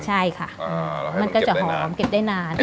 ใช่ค่ะมันก็จะหอมเก็บได้นาน